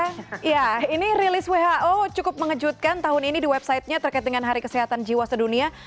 ya ini rilis who cukup mengejutkan tahun ini di websitenya terkait dengan hari kesehatan jiwa sedunia